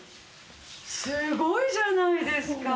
すごいじゃないですか！